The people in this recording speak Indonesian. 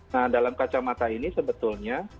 nah dalam kacamata ini sebetulnya